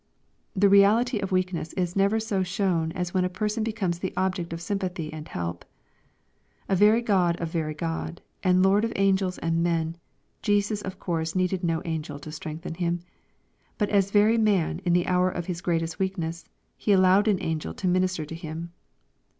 The reality of weakness is never so shown as when a person becomes the object of sympathy and help. As very God of very God, and Lord of angels and men, Jesus of course needed no angel to strengthen Him. But as very man, in the hour of His greatest weakness, He allowed an angel to minister to Him.